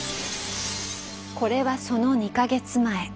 これはその２か月前。